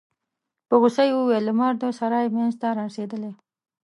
په غوسه يې وویل: لمر د سرای مينځ ته رارسيدلی.